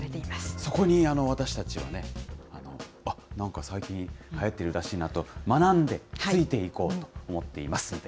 そこに私たちはね、あっ、なんか最近、はやってるらしいなと学んで、ついていこうと思っています。